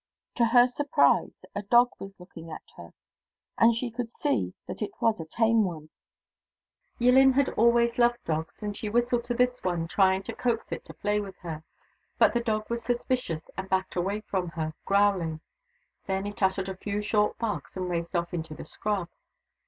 To her surprise, a dog was looking at her, and she could see that it was a tame one. Yillin had always i88 THE DAUGHTERS OF WONKAWALA loved dogs, and she whistled to this one, trying to coax it to play with her. But the dog was sus picious, and backed away from her, growling : then it uttered a few short barks and raced off into the scrub.